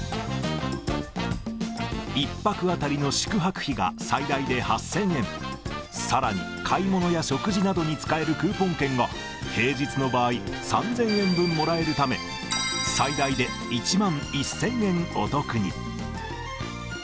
１泊当たりの宿泊費が最大で８０００円、さらに、買い物や食事などに使えるクーポン券が平日の場合、３０００円分もらえるため、最大で１万１０００円お得に。